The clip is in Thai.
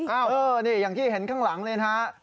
อ้าวอย่างที่เห็นข้างหลังเลยนะครับ